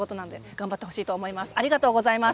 頑張ってほしいと思います。